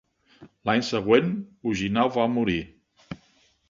L'any següent, Ujinao va morir.